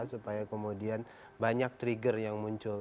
supaya kemudian banyak trigger yang muncul